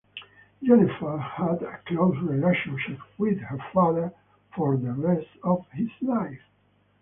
Jennifer had a close relationship with her father for the rest of his life.